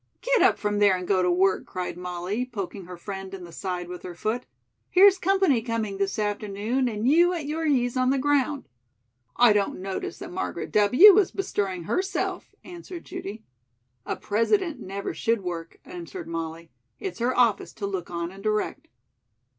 "Get up from there and go to work," cried Molly, poking her friend in the side with her foot. "Here's company coming this afternoon, and you at your ease on the ground!" "I don't notice that Margaret W. is bestirring herself," answered Judy. "A President never should work," answered Molly. "It's her office to look on and direct."